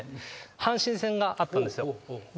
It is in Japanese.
阪神戦があったんですよ。